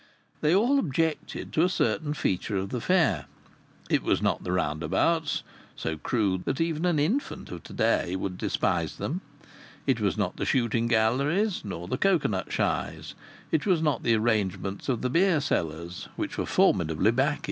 They all objected to a certain feature of the Fair. It was not the roundabouts, so crude that even an infant of to day would despise them. It was not the shooting galleries, nor the cocoanut shies. It was not the arrangements of the beersellers, which were formidably Bacchic.